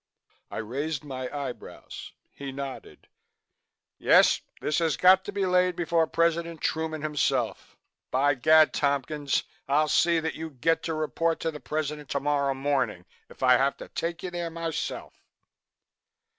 I raised my eyebrows. He nodded. "Yes, this has got to be laid before President Truman himself. By Gad, Tompkins, I'll see that you get to report to the President tomorrow morning if I have to take you there myself."